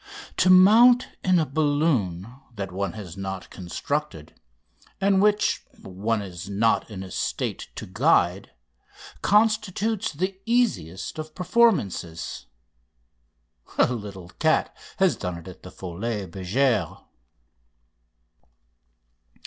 To mount in a balloon that one has not constructed, and which one is not in a state to guide, constitutes the easiest of performances. A little cat has done it at the Folies Bergère."